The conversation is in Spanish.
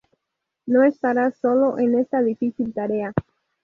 No estarás solo en esta difícil tarea.